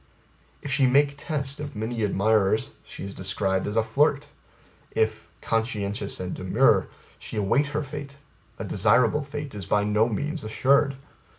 If she make test of many admirers, she is described as a flirt; if, conscientious and demure, she await her fate, a desirable fate is by no means assured.